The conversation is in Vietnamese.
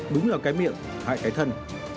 đúng là cái miệng hại cái thân